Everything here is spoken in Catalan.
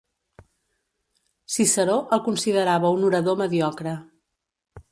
Ciceró el considerava un orador mediocre.